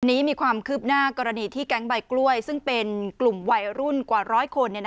นี้มีความคืบหน้ากรณีที่แก๊งใบกล้วยซึ่งเป็นกลุ่มวัยรุ่นกว่าร้อยคน